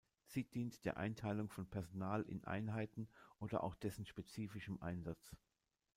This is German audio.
Sie dient der Einteilung von Personal in Einheiten oder auch dessen spezifischem Einsatz.